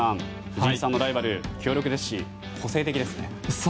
藤井さんのライバル、強力ですし個性的ですね。